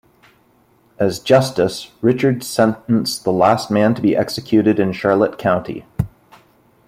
As Justice, Richards sentenced the last man to be executed in Charlotte County.